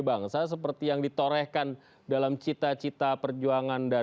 seratus an sudah dipecat ya